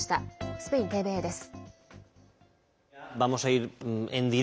スペインＴＶＥです。